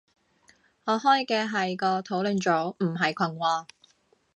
我開嘅係個討論組，唔係群喎